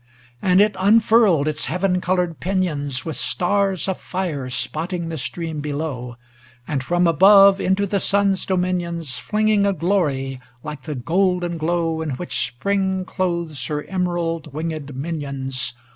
XLIV And it unfurled its heaven colored pinions, With stars of fire spotting the stream below, And from above into the Sun's dominions Flinging a glory, like the golden glow In which Spring clothes her emerald wingM minions.